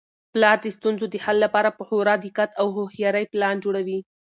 پلار د ستونزو د حل لپاره په خورا دقت او هوښیارۍ پلان جوړوي.